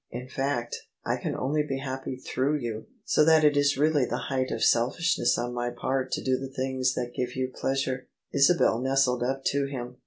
In fact, I can only be happy through you : so that it is really the height of selfishness on my part to do the things that give you pleasure." Isabel nestled up to him.